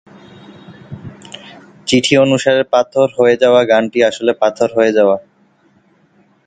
চিঠি অনুসারে, "পাথর হয়ে যাওয়া" গানটি আসলে "পাথর হয়ে যাওয়া"।